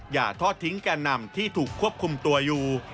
อย่าทอดทิ้งแก่นำที่ถูกควบคุมตัวอยู่